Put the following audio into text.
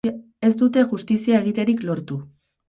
Ez dute justizia egiterik lortu.